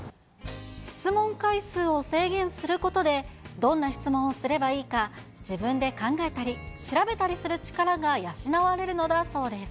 質問回数を制限することで、どんな質問をすればいいか、自分で考えたり、調べたりする力が養われるのだそうです。